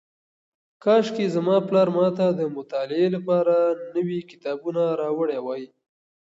کاشکې زما پلار ماته د مطالعې لپاره نوي کتابونه راوړي وای.